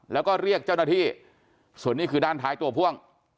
แล้วก็เรียกเจ้าหน้าที่ส่วนนี้คือด้านท้ายตัวพ่วง